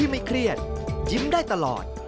ไม่เครียดยิ้มได้ตลอด